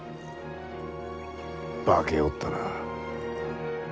化けおったな。